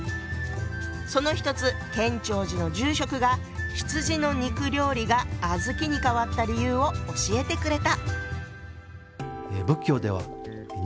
その一つ建長寺の住職が羊の肉料理が小豆に変わった理由を教えてくれた。